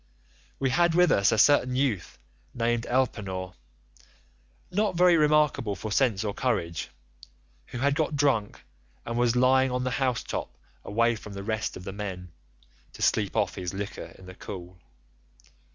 We had with us a certain youth named Elpenor, not very remarkable for sense or courage, who had got drunk and was lying on the house top away from the rest of the men, to sleep off his liquor in the cool.